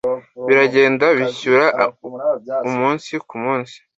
Biragenda bishyuha umunsi ku munsi.